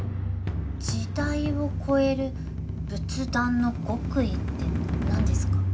時代を超える仏壇の極意って何ですか？